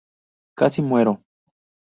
Casi muero.